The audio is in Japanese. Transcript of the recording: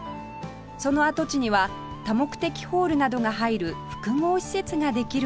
その跡地には多目的ホールなどが入る複合施設ができる予定